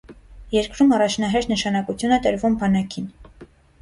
Երկրում առաջնահերթ նշանակություն է տրվում բանակին։